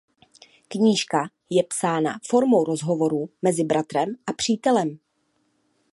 Knížka je psána formou rozhovorů mezi Bratrem a Přítelem.